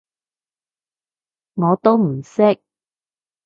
我都唔識